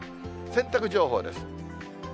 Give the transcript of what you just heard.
洗濯情報です。